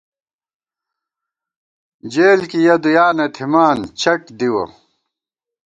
جېل کی یَہ دوئیاں نہ تھِمان، چَٹ دِوَہ